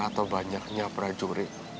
atau banyaknya prajurit